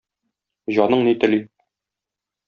Җаның ни тели.